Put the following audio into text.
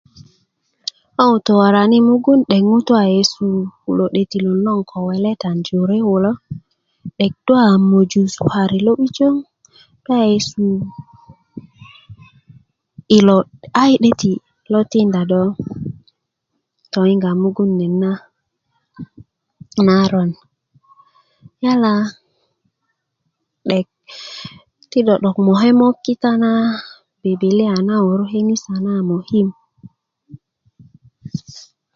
ko ŋutu worani' modong 'dek ŋutu a yesu kilo 'detilon logon a weletan jore kulo do a möju sukari lo lo'bijö do a yesu ilo ayi 'deti logon tinda do toyinga mugun nena a naron yala 'dek ti do mokemok kita na bibilia na wörö i kenisa na mökim